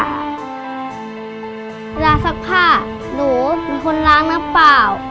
ส่วนชั้นน้อยก็มีน่าที่ล้างจาน